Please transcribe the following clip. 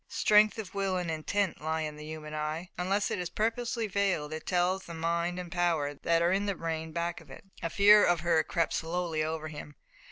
Strength of will and intent lie in the human eye. Unless it is purposely veiled it tells the mind and power that are in the brain back of it. A fear of her crept slowly over him.